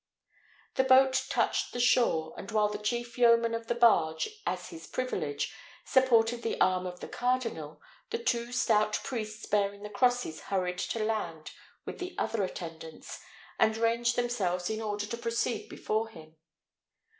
The boat touched the shore; and while the chief yeoman of the barge, as his privilege, supported the arm of the cardinal, the two stout priests bearing the crosses hurried to land with the other attendants, and ranged themselves in order to proceed before him.